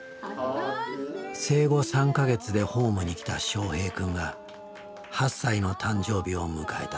生後３か月でホームに来たしょうへい君が８歳の誕生日を迎えた。